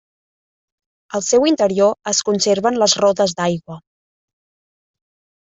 Al seu interior es conserven les rodes d'aigua.